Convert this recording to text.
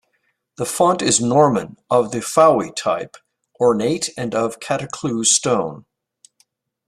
The font is Norman, of the Fowey type, ornate and of Catacleuze stone.